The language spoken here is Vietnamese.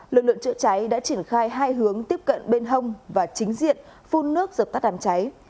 lực lượng chữa cháy đã triển khai hai hướng tiếp cận bên hông và chính diện phun nước dập tắt đám cháy